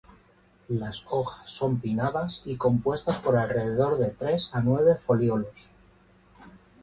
Las hojas son pinnadas y compuestas por alrededor de tres a nueve foliolos.